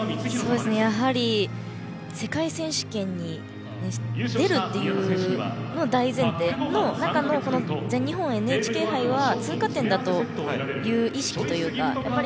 やはり、世界選手権に出るというのが大前提の中でこの全日本、ＮＨＫ杯は通過点という意識というか。